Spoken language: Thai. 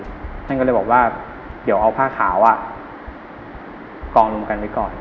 ท่านก็เลยบอกว่าเดี๋ยวเอาผ้าขาวกองรวมกันไว้ก่อน